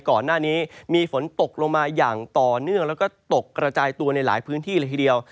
ก่อนหน้านี้มีฝนตกลงมาอย่างต่อเนื่องแล้วก็ตกกระจายตัวในหลายพื้นที่เลยทีเดียว